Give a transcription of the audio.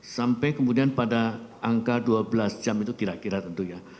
sampai kemudian pada angka dua belas jam itu kira kira tentu ya